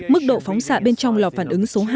mức độ phóng xạ bên trong lò phản ứng số hai